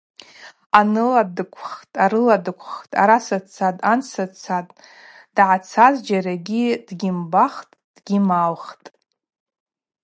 Аныла дыквххтӏ, арыла дыквххтӏ, — араса дцан, анса дцан — дъацаз зджьарагьи дгьйымбахтӏ, дгьимаухтӏ.